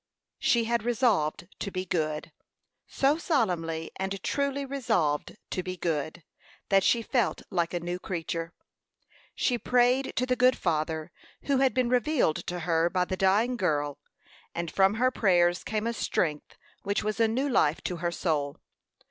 She had resolved to be good so solemnly and truly resolved to be good, that she felt like a new creature. She prayed to the good Father, who had been revealed to her by the dying girl; and from her prayers came a strength which was a new life to her soul.